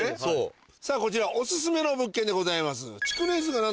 さぁこちらオススメの物件でございます。